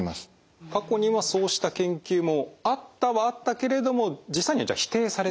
過去にはそうした研究もあったはあったけれども実際には否定されている？